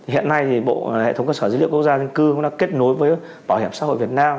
hiện nay thì bộ hệ thống cơ sở dữ liệu quốc gia dân cư cũng đã kết nối với bảo hiểm xã hội việt nam